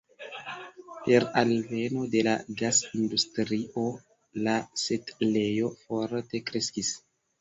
Per alveno de la gas-industrio, la setlejo forte kreskis.